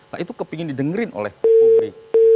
nah itu kepingin didengerin oleh publik